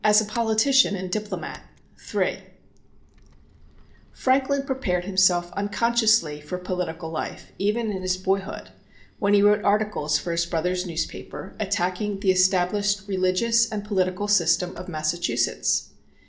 WHITEHALL CHAPEL, LONDON, 1774] BENJAMIN FRANKLIN As Politician and Diplomat THREE Franklin prepared himself unconsciously for political life even in his boyhood, when he wrote articles for his brother's newspaper attacking the established religious and political system of Massachusetts.